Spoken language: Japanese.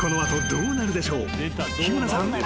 ［日村さん。